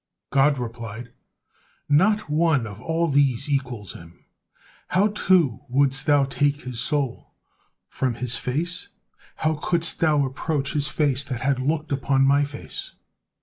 God replied: "Not one of all these equals him. How, too, wouldst thou take his soul? From his face? How couldst thou approach his face that had looked upon My Face!